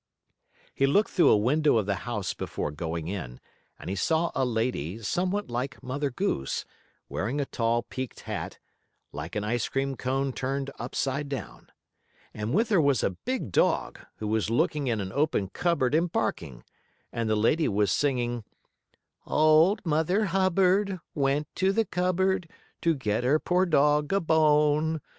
He looked through a window of the house before going in, and he saw a lady, somewhat like Mother Goose, wearing a tall, peaked hat, like an ice cream cone turned upside down. And with her was a big dog, who was looking in an open cupboard and barking. And the lady was singing: "Old Mother Hubbard Went to the cupboard To get her poor dog a bone.